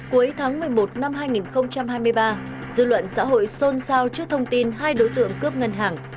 cuối tháng một mươi một năm hai nghìn hai mươi ba dư luận xã hội xôn xao trước thông tin hai đối tượng cướp ngân hàng